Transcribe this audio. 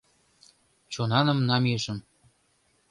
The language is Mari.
Чонаным намийышым